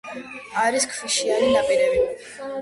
არის ქვიშიანი ნაპირები.